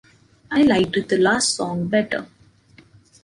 I liked the last song better.